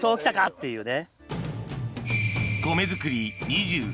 っていうね。